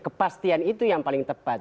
kepastian itu yang paling tepat